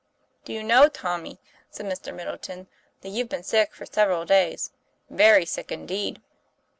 "Do you know, Tommy," said Mr. Middleton, "that you've been sick for several days? Very sick, indeed?"